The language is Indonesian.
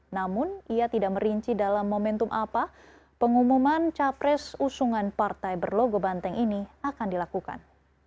namun ia tidak merinci dalam momentum apa pengumuman capres usungan partai berlogo banteng ini akan dilakukan